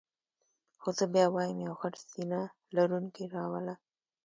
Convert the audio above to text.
خو زه بیا وایم یو غټ سینه لرونکی را وله.